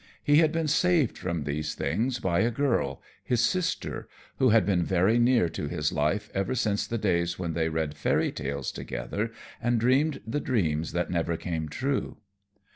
He had been saved from these things by a girl, his sister, who had been very near to his life ever since the days when they read fairy tales together and dreamed the dreams that never come true.